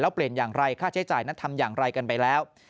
แล้วเปลี่ยนอย่างไรค่าใช้จ่ายนั้นทำอย่างไรกันไปแล้ว